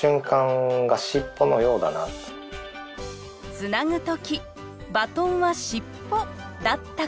「つなぐときバトンはしっぽだったから」。